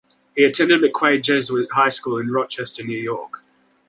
He attended McQuaid Jesuit High School in Rochester, New York.